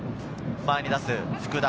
前に出す福田。